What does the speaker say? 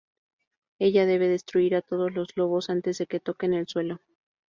Ella debe destruir a todos los lobos antes de que toquen el suelo.